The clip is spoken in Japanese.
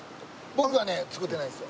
僕はね作ってないんですよ。